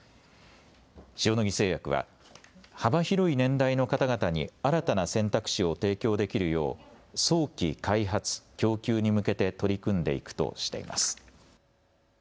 塩野義製薬は幅広い年代の方々に新たな選択肢を提供できるよう早期開発・供給に向けて取り組んでいくとしています。